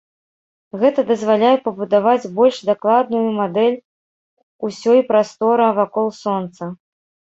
Гэта дазваляе пабудаваць больш дакладную мадэль усёй прастора вакол сонца.